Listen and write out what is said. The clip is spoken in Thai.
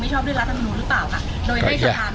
ไม่ชอบด้วยรัฐธรรมนุษย์หรือเปล่าค่ะโดยไม่สามารถยัง